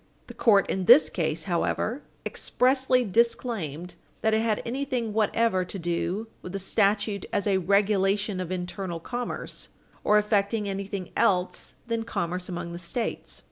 The court in this case, however, expressly disclaimed that it had anything whatever to do with the statute as a regulation of internal commerce, or affecting anything else than commerce among the States.